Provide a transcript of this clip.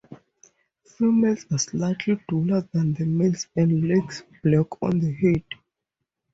Females are slightly duller than the males and lacks black on the head.